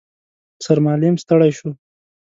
سرمعلم ستړی شو.